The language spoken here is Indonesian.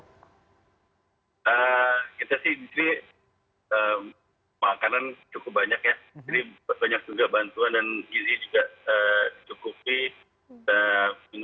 kita sih di sini makanan cukup banyak ya jadi banyak juga bantuan dan gizi juga cukupi